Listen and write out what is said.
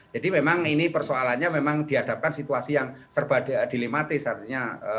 jadi memang ini persoalannya memang dihadapkan situasi yang serba dilematis artinya